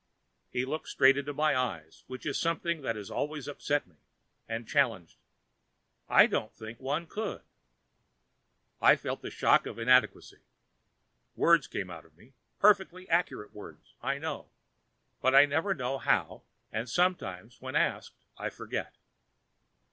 He looked straight into my eyes, which is something that has always upset me, and challenged: "I don't think one could." I felt the shock of inadequacy. Words come out of me perfectly accurate words, I know; but I never know how, and sometimes when asked I forget.